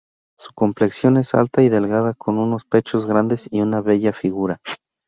Su complexión es alta y delgada, con unos pechos grandes y una bella figura.